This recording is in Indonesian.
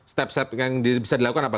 step step yang bisa dilakukan apa